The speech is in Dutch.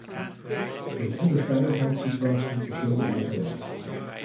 Een goede veiligheidssituatie begint in eigen land.